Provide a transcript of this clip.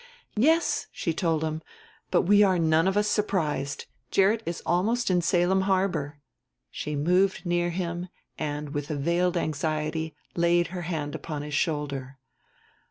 "Yes," she told him, "but we are none of us surprised Gerrit is almost in Salem harbor." She moved near him and, with a veiled anxiety, laid her hand upon his shoulder.